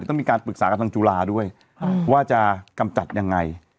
ต้องมีการปรึกษากับทางจุฬาด้วยว่าจะกำจัดยังไง